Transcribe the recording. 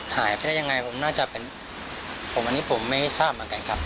หายไปได้ยังไงผมน่าจะเป็นผมอันนี้ผมไม่ทราบเหมือนกันครับ